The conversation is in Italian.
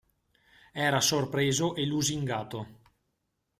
Era sorpreso e lusingato.